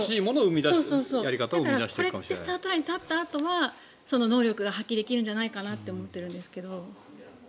これでスタートラインに立ったあとはその能力が発揮できるんじゃないかなと思ってるんですが。